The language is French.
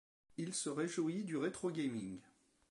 Il se réjouit du retrogaming.